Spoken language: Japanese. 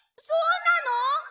そうなの！？